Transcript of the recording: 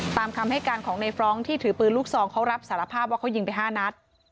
ตามคำให้การของในฟรองก์ที่ถือปืนลูกซองเขารับสารภาพว่าเขายิงไป๕นัด